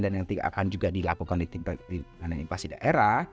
dan yang akan juga dilakukan di tim pengendalian inflasi daerah